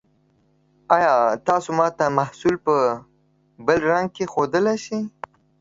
ایا تاسو ما ته محصول په بل رنګ کې ښودلی شئ؟